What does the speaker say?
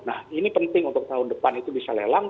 nah ini penting untuk tahun depan itu bisa lelang